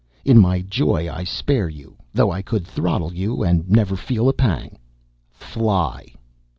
In my joy I spare you, though I could throttle you and never feel a pang! Fly!"